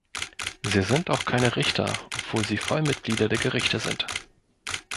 Sie sind auch keine Richter, obwohl sie Vollmitglieder der Gerichte sind.